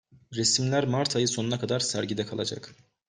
Resimler Mart ayı sonuna kadar sergide kalacak.